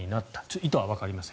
意図はわかりません。